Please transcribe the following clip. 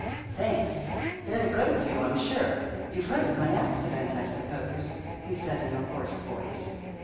" Thanks ; very good of you, I'm sure. You've heard of my accident, I suppose ?" he said, in a hoarse voice.